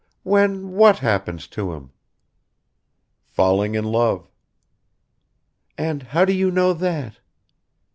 "When what happens to him?" "Falling in love." "And how do you know that?"